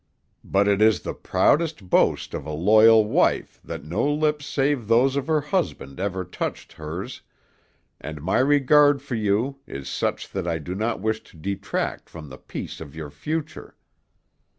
But it is the proudest boast of a loyal wife that no lips save those of her husband ever touched hers, and my regard for you is such that I do not wish to detract from the peace of your future.